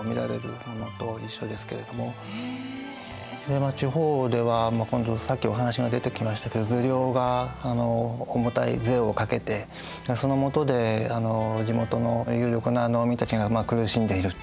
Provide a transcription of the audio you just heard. でまあ地方では今度さっきお話が出てきましたけれども受領が重たい税をかけてその下で地元の有力な農民たちが苦しんでいる。